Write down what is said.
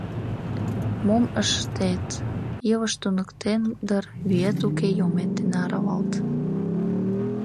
Мом ыш-ет, илыш туныктен дыр: виет уке — йылмет дене аралалт!